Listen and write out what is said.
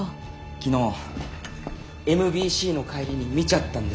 昨日ＭＢＣの帰りに見ちゃったんですよ。